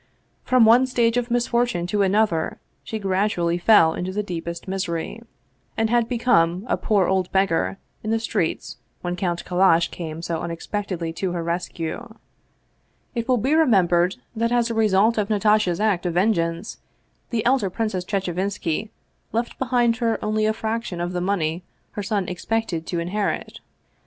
From one stage of misfortune to another she gradually fell into the deepest misery, and had become a poor old beggar in the streets when Count Kallash came so unexpectedly to her rescue. 213 Russian Mystery Stories It will be remembered that, as a result of Natasha's act of vengeance, the elder Princess Chechevinski left behind her only a fraction of the money her son expected to in herit.